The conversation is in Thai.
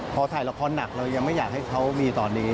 พอถ่ายละครหนักเรายังไม่อยากให้เขามีตอนนี้